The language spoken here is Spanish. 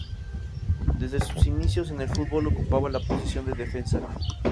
Desde sus inicios en el fútbol ocupaba la posición de defensa.